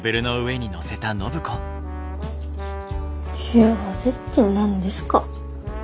幸せって何ですか？